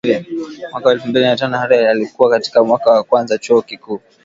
Mwaka elfu mbili na tano Harris alikuwa katika mwaka wa kwanza Chuo Kikuu